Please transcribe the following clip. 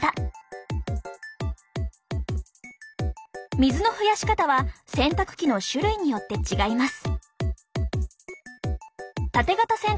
水の増やし方は洗濯機の種類によって違います。